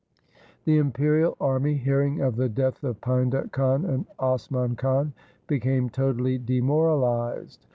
The imperial army, hearing of the death of Painda Khan and Asman Khan, became totally demoralized.